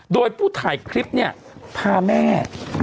โดยผู้ถ่ายคลิปเนี่ยพาแม่